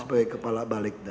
sebagai kepala balegda